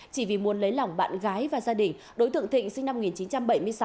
chỉ vì muốn lấy lòng bạn gái và gia đình đối tượng thịnh sinh năm một nghìn chín trăm bảy mươi sáu